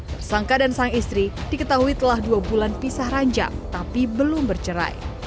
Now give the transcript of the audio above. tersangka dan sang istri diketahui telah dua bulan pisah ranjang tapi belum bercerai